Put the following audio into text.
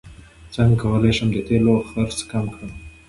څنګه کولی شم د تیلو خرڅ کم کړم